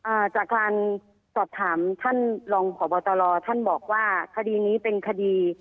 อ่าจากการสอบถามท่านรองพบตรท่านบอกว่าคดีนี้เป็นคดี